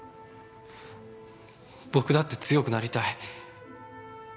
僕だって強くなりたい。